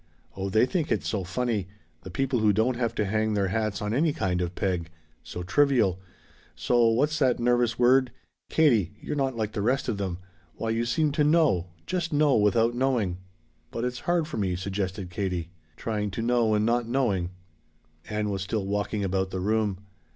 Oh they think it's so funny! the people who don't have to hang their hats on any kind of peg. So trivial. So what's that nervous word? Katie you're not like the rest of them! Why, you seem to know just know without knowing." "But it's hard for me," suggested Katie. "Trying to know and not knowing." Ann was still walking about the room.